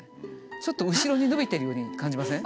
ちょっと後ろに伸びているように感じません？